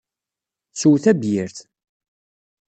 Sew tabyirt.